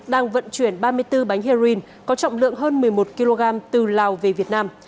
đang vận chuyển ba mươi bốn bánh heroin có trọng lượng hơn một mươi một kg từ lào về việt nam